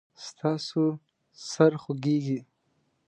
ستاسو سر خوږیږي؟